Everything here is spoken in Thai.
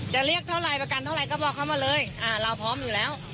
เรียกเท่าไรประกันเท่าไรก็บอกเขามาเลยเราพร้อมอยู่แล้ว